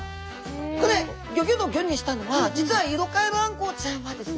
これギョギョ度５にしたのは実はイロカエルアンコウちゃんはですね